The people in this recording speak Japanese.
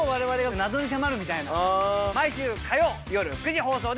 毎週火曜夜９時放送です。